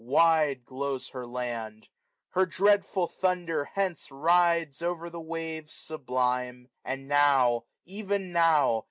Wide glows her land : her dreadful thunder hence Rides o'er the waves sublime j and now, even now.